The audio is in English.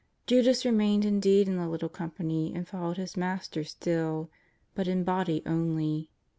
Judas remained indeed in the little company and followed his Master still, but in body only.